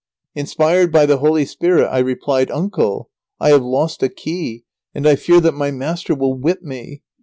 Inspired by the Holy Spirit I replied: "Uncle! I have lost a key, and I fear that my master will whip me.